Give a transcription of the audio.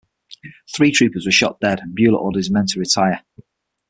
Three troopers were shot dead and Buller ordered his men to retire.